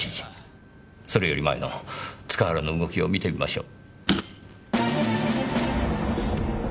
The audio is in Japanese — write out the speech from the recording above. それより前の塚原の動きを見てみましょう。